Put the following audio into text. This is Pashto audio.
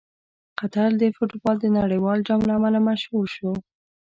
قطر د فټبال د نړیوال جام له امله مشهور شو.